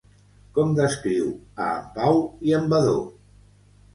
Com descriu a en Pau i en Vadó?